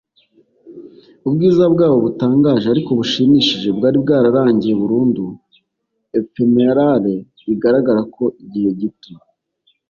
Ubwiza bwabo butangaje ariko bushimishije bwari bwararangiye burundu ephemeral bigaragara ko igihe gito